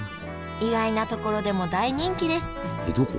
意外なところでも大人気ですえっどこ？